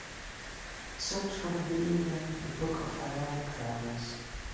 Search for the video game The Book of Heroic Failures